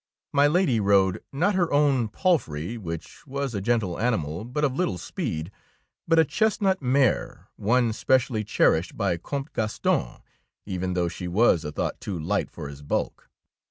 My Lady rode, not her own pal frey, which was a gentle animal but of little speed, but a chestnut mare, one specially cherished by Comte Graston, even though she was a thought too light for his bulk.